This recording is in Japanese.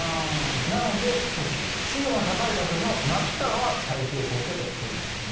なので、水温が高い場所の真北は太平洋高気圧が強まります。